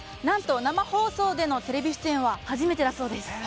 なんと生放送でのテレビ出演は初めてだそうです。